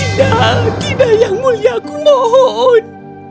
sedang tidak yang mulia kumohon